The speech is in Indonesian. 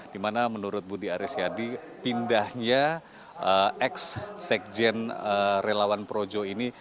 dimana menurut budi arisyadi pindahnya ex sekjen relawan projo ini